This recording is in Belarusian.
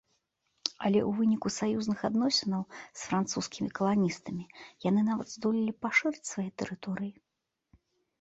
Але ў выніку саюзных адносінаў з французскімі каланістамі яны нават здолелі пашырыць свае тэрыторыі.